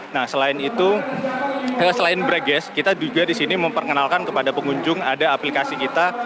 nah selain itu selain break gas kita juga disini memperkenalkan kepada pengunjung ada aplikasi kita